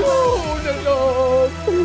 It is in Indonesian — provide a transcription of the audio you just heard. aduh udah dong